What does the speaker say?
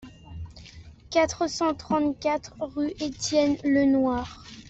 quatre cent trente-quatre rue Etienne Lenoir